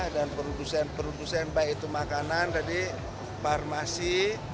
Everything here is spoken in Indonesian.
dan perusahaan perusahaan baik itu makanan farmasi